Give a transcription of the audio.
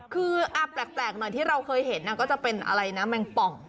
คือแปลกหน่อยที่เราเคยเห็นก็จะเป็นอะไรนะแมงป่อง